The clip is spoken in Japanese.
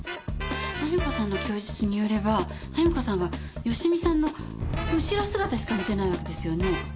菜実子さんの供述によれば菜実子さんは芳美さんの後ろ姿しか見てないわけですよね。